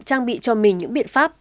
trang bị cho mình những biện pháp